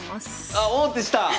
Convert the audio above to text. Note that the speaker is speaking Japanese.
あ王手した？